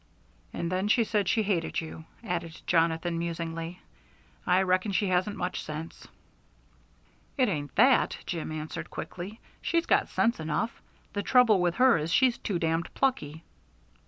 "And then she said she hated you," added Jonathan, musingly. "I reckon she hasn't much sense." "It ain't that," Jim answered quickly. "She's got sense enough. The trouble with her is she's too damned plucky."